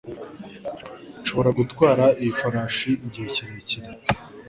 Nshobora gutwara iyi farashi igihe kirekire?